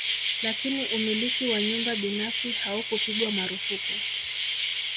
Lakini umiliki wa nyumba binafsi haukupigwa marufuku